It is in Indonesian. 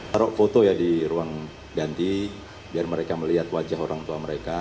taruh foto ya di ruang ganti biar mereka melihat wajah orang tua mereka